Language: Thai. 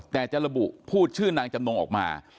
แต่จะระบุพูดชื่อนางจำนงออกมา